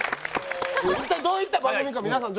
一体どういった番組か皆さん